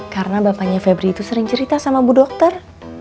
karena bapaknya febri itu sering cerita sama bu dokter